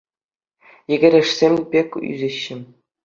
Йӗкӗрешсем пек ӳсеҫҫӗ.